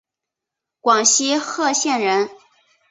广西贺县人。